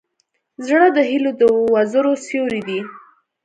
زړه د هيلو د وزرو سیوری دی.